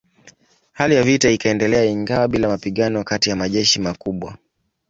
Hali ya vita ikaendelea ingawa bila mapigano kati ya majeshi makubwa.